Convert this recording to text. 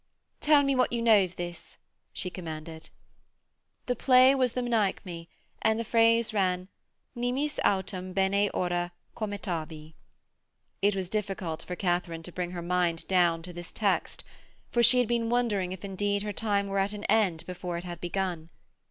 'Tell me what you know of this,' she commanded. The play was the Menechmi, and the phrase ran, 'Nimis autem bene ora commetavi....' It was difficult for Katharine to bring her mind down to this text, for she had been wondering if indeed her time were at an end before it had begun.